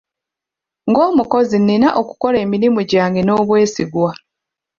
Ng'omukozi nnina okukola emirimu gyange n'obwesigwa.